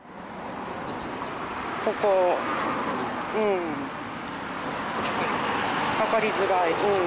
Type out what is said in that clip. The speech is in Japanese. ここうん分かりづらい。